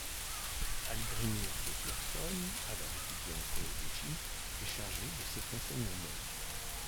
Hallgrímur Pétursson, alors étudiant en théologie, est chargé de cet enseignement.